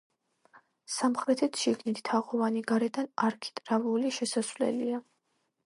სამხრეთით შიგნით თაღოვანი, გარედან არქიტრავული შესასვლელია.